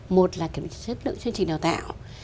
một là kiểm định chất lượng chương trình đào tạo